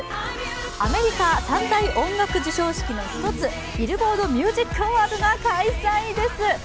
アメリカ３大音楽授賞式の一つ、ビルボード・ミュージック・アワードが開催です。